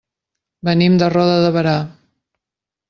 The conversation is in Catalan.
Venim de Roda de Berà.